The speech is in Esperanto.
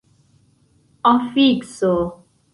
afikso